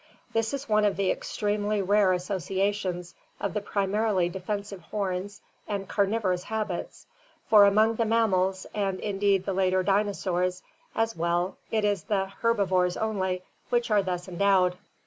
This is one of the extremely rare associations of the primarily defensive horns and carnivorous habits, for among the mammals and indeed the later dinosaurs as well it is the herbivores only which are thus endowed.